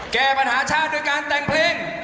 แก้ปัญหาชาติด้วยการแต่งเพลง